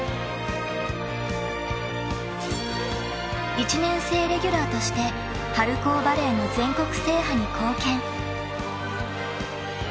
［１年生レギュラーとして春高バレーの全国制覇に貢献］